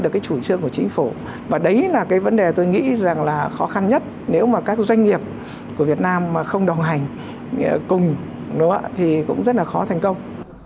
cái vấn đề tôi nghĩ là khó khăn nhất nếu mà các doanh nghiệp của việt nam mà không đồng hành cùng nó thì cũng rất là khó thành công